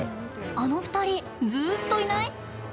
あの２人、ずっといない？